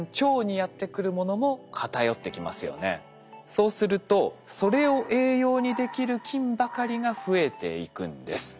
そうするとそれを栄養にできる菌ばかりが増えていくんです。